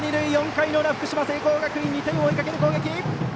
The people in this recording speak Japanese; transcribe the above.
４回の裏、福島・聖光学院２点を追いかける攻撃！